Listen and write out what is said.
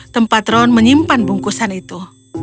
tempat ron menyimpan bungkusan itu